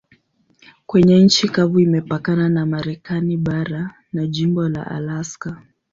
Kwenye nchi kavu imepakana na Marekani bara na jimbo la Alaska.